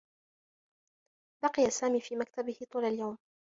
بقيَ سامي في مكتبه طوال اليوم.